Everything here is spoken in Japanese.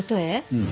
うん。